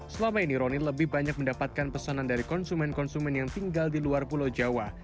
selama ini roni lebih banyak mendapatkan pesanan dari konsumen konsumen yang tinggal di luar pulau jawa